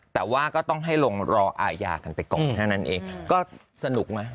แต่ว่าก็ต้องให้ลงรออาญากันไปก่อนแค่นั้นเองก็สนุกนะ